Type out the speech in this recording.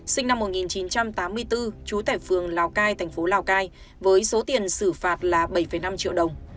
sinh năm một nghìn chín trăm tám mươi bốn trú tại phường lào cai thành phố lào cai với số tiền xử phạt là bảy năm triệu đồng